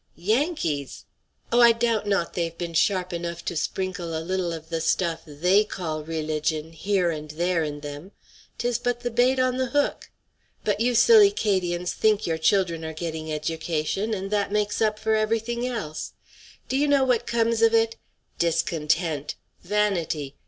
Yankees! Oh, I doubt not they have been sharp enough to sprinkle a little of the stuff they call religion here and there in them; 'tis but the bait on the hook! But you silly 'Cadians think your children are getting education, and that makes up for every thing else. Do you know what comes of it? Discontent. Vanity.